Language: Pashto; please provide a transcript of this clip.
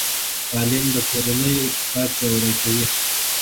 تعلیم د کورنۍ اقتصاد پیاوړی کوي.